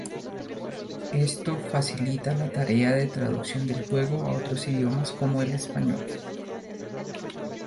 Esto facilita la tarea de traducción del juego a otros idiomas como el español.